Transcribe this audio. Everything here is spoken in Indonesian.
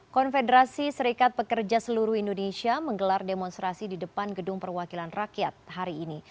konfederasi serikat pekerja seluruh indonesia menggelar demonstrasi di depan gedung perwakilan rakyat hari ini